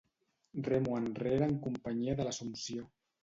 Remo enrere en companyia de l'Assumpció.